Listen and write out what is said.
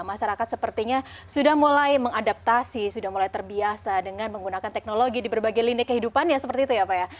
masyarakat sepertinya sudah mulai mengadaptasi sudah mulai terbiasa dengan menggunakan teknologi di berbagai lini kehidupannya seperti itu ya pak ya